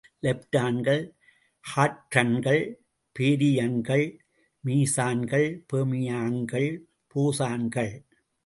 லெப்டான்கள், ஹாட்ரன்கள், பேரியன்கள், மீசான்கள், பெர்மியான்கள், போசன்கள்.